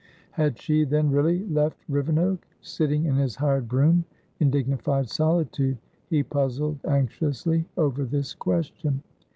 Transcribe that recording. Had she, then, really left Rivenoak? Sitting in his hired brougham, in dignified solitude, he puzzled anxiously over this question.